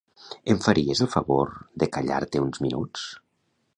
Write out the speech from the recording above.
Em faries el favor de callar-te uns minuts?